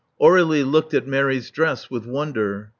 Aurdlie looked at Mary's dress with wonder.